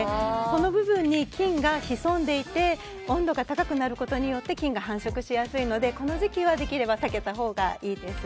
その部分に菌が潜んでいて温度が高くなることによって菌が繁殖しやすいのでこの時期はできれば避けたほうがいいです。